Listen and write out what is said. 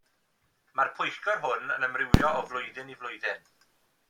Mae'r Pwyllgor hwn yn amrywio o flwyddyn i flwyddyn.